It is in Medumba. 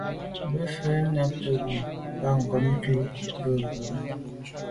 Bə̌k fə̀ mbə́ má ngǎtə̀' bû bá bə̌ má kòb ncúp bú mbə̄.